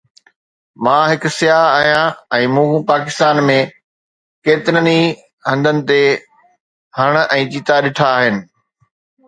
مان هڪ سياح آهيان ۽ مون پاڪستان ۾ ڪيترن ئي هنڌن تي هرڻ ۽ چيتا ڏٺا آهن